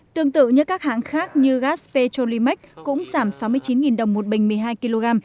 tương tự như các hãng khác như gas petro limac cũng giảm sáu mươi chín đồng một bình một mươi hai kg